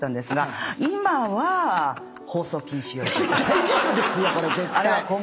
大丈夫ですよこれ絶対。